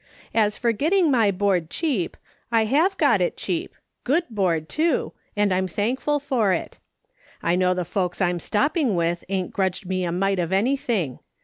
As forgetting my board cheap, I have got it cheap — good board, too — and I'm thankful for it. I know the folks I'm stopping with ain't grudged me a mite of anything.